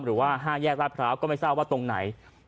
หรือว่าห้างแยกราชกราฟก็ไม่ทราบว่าตรงไหน